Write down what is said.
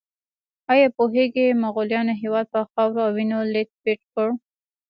ایا پوهیږئ مغولانو هېواد په خاورو او وینو لیت پیت کړ؟